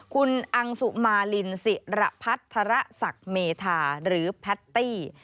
คุณอังสุมารินศิระพัฒระศักดิ์เมธาหรือแพตตี้